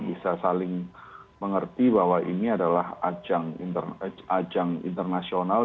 bisa saling mengerti bahwa ini adalah ajang internasional